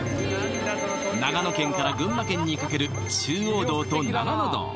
長野県から群馬県にかける中央道と長野道